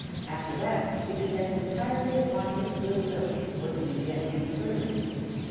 After that it depends entirely upon his good will whether you get any farther."